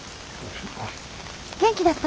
元気だった？